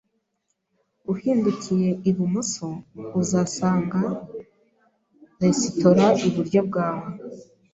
Uhindukiye ibumoso, uzasanga resitora iburyo bwawe.